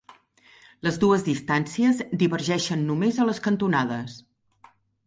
Les dues distàncies divergeixen només a les cantonades.